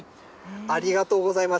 ありがとうございます。